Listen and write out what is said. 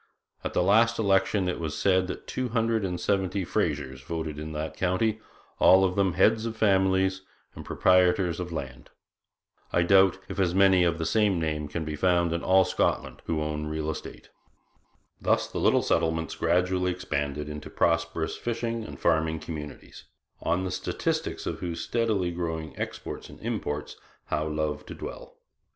At the last election it was said that two hundred and seventy Frasers voted in that county all of them heads of families and proprietors of land. I doubt if as many of the same name can be found in all Scotland who own real estate.' Thus the little settlements gradually expanded into prosperous fishing and farming communities, on the statistics of whose steadily growing exports and imports Howe loved to dwell.